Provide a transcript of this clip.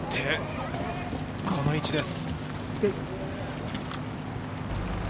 寄って、この位置です。